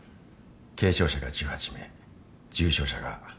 軽症者が１８名重症者が１４名。